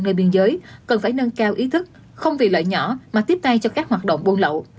nơi biên giới cần phải nâng cao ý thức không vì lợi nhỏ mà tiếp tay cho các hoạt động buôn lậu